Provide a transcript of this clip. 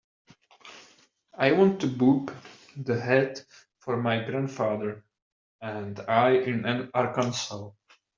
I want to book The Hat for my grandfather and I in Arkansas.